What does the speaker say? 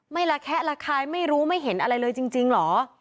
ระแคะระคายไม่รู้ไม่เห็นอะไรเลยจริงเหรอ